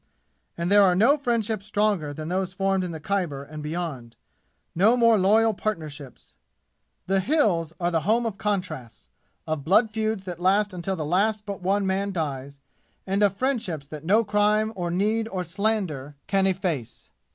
And there are no friendships stronger than those formed in the Khyber and beyond no more loyal partnerships. The "Hills" are the home of contrasts, of blood feuds that last until the last but one man dies, and of friendships that no crime or need or slander can efface.